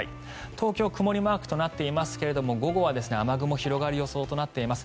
東京曇りマークとなっていますが午後は雨雲が広がる予想となっています。